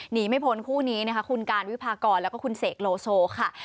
หนีไม่พ้นคู่นี้นะคะคุณการวิพากรแล้วก็คุณเสกโลโซค่ะ